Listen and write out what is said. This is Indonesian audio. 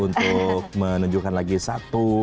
untuk menunjukkan lagi satu